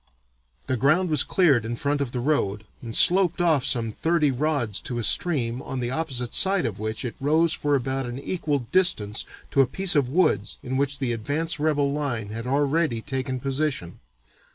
The ground was cleared in front of the road and sloped off some thirty rods to a stream, on the opposite side of which it rose for about an equal distance to a piece of woods in which the advance rebel line had already taken position.